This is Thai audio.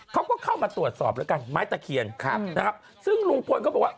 เขาก็เข้ามาตรวจสอบแล้วกันไม้ตะเคียนครับนะครับซึ่งลุงพลก็บอกว่า